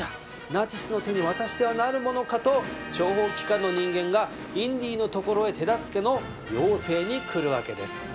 ナチスの手に渡してはなるものかと諜報機関の人間がインディのところへ手助けの要請に来るわけです。